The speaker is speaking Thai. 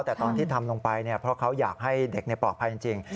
แต่ตอนที่ทำลงไปเพราะเขาอยากให้เด็กปลอดภัยจริง